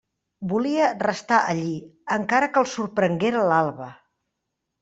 Volia restar allí, encara que el sorprenguera l'alba.